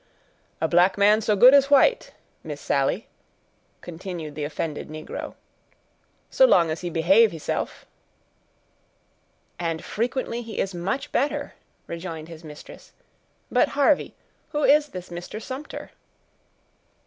"A black man so good as white, Miss Sally," continued the offended negro, "so long as he behave heself." "And frequently he is much better," rejoined his mistress. "But, Harvey, who is this Mr. Sumter?"